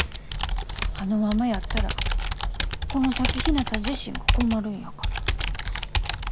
あのままやったらこの先ひなた自身が困るんやから。